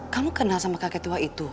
kamu kenal sama kakek tua itu